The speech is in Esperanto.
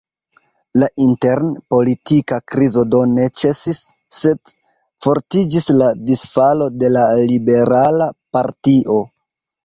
La intern-politika krizo do ne ĉesis, sed fortiĝis la disfalo de la Liberala partio.